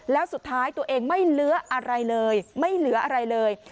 แล้วสุดท้ายตัวเองไม่เหลืออะไรเลยไม่เหลืออะไรเลย